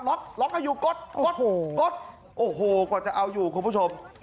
ล็อกล็อกให้อยู่กดกดกดโอ้โหกว่าจะเอาอยู่คุณผู้ชม